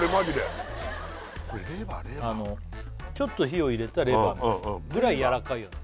これレバーレバーちょっと火を入れたレバーぐらいやわらかいよね